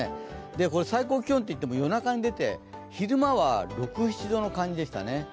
これ最高気温といっても夜中に出て６７度の感じでしたね。